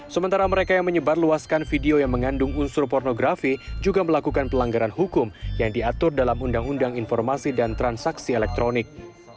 sementara mereka yang menyebar luaskan video yang mengandung unsur pornografi juga melakukan pelanggaran hukum yang diatur dalam undang undang informasi dan transaksi elektronik